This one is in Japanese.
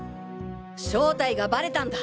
正体がバレたんだ！